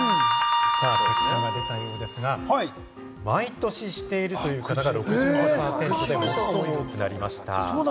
さあ、結果が出たようですが、毎年しているという方が６５％と一番多くなりました。